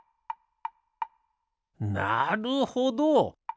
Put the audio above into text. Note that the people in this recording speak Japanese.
なるほど！